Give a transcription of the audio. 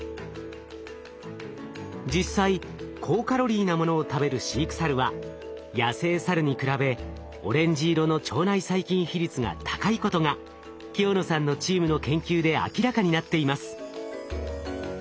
実際高カロリーなものを食べる飼育サルは野生サルに比べオレンジ色の腸内細菌比率が高いことが清野さんのチームの研究で明らかになっています。